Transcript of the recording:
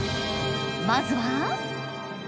まずは。